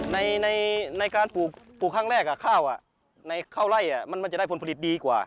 ในการปลูกครั้งแรกข้าวไล่มันจะได้ผลผลิตดีกว่า